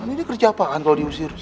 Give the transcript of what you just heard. ini kerja pakan kalau diusir